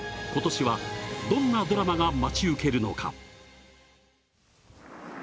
今年はどんなドラマが待ち受けるのか。